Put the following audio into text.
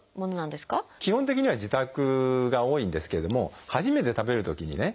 基本的には自宅が多いんですけれども初めて食べるときにね